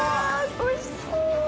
おいしそう！